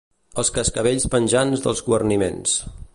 Els cascavells penjants dels guarniments.